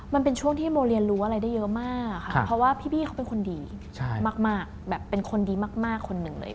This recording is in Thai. มันเป็นช่วงที่โมเรียนรู้อะไรได้เยอะมากค่ะเพราะว่าพี่เขาเป็นคนดีมากคนหนึ่งเลย